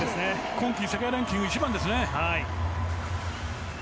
今季世界ランク１番ですね。